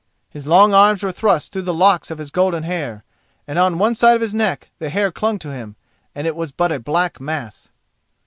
His long arms were thrust through the locks of his golden hair, and on one side of his neck the hair clung to him and it was but a black mass.